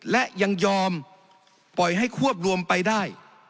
และยังยอมปล่อยให้ควบรวมไปได้